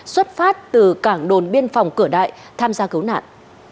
xuất phát từ cảng đồn biên phòng cửa đại tham gia cứu nạn